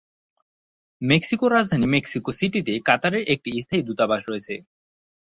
মেক্সিকোর রাজধানী মেক্সিকো সিটিতে কাতারের একটি স্থায়ী দূতাবাস রয়েছে।